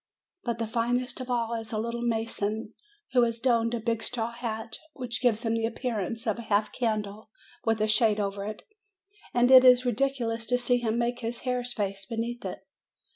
But the finest of all is the little mason, who has donned a big straw hat, which gives him the appear ance of a half candle with a shade over it; and it is ridiculous to see him make his hare's face beneath it.